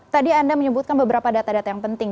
tadi anda menyebutkan beberapa data data yang penting